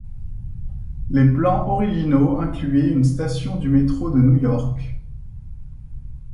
Les plans originaux incluaient une station du métro de New York.